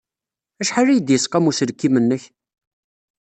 Acḥal ay d-yesqam uselkim-nnek?